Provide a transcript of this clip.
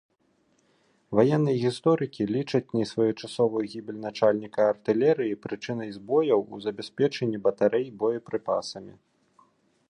Ваенныя гісторыкі лічаць несвоечасовую гібель начальніка артылерыі прычынай збояў у забеспячэнні батарэй боепрыпасамі.